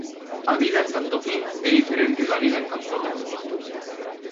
A vida en canto fin é diferente da vida en canto medio.